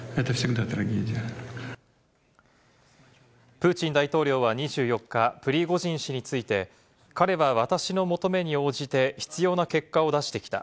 プーチン大統領は２４日、プリゴジン氏について彼は私の求めに応じて必要な結果を出してきた。